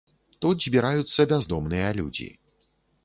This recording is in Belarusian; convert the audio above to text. Тут збіраюцца бяздомныя людзі.